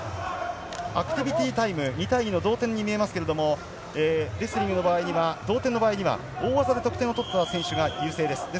アクティビティタイム、２対２の同点に見えますけれど、レスリングの場合には同点の場合には大技で得点を取った選手が優勢です。